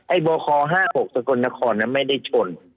ไอ้บค๕๖สกลนครนั้นไม่ได้ชน